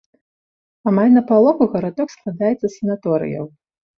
Амаль напалову гарадок складаецца з санаторыяў.